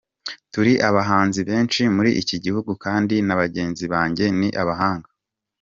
Turi abahanzi benshi muri iki gihugu kandi n’abagenzi banjye ni abahanga.